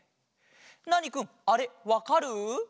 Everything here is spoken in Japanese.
ナーニくんあれわかる？